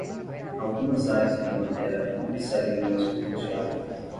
Algumas áreas da Inglaterra não recebem o mesmo refugiado.